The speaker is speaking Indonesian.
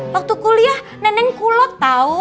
waktu kuliah neneng kulot tau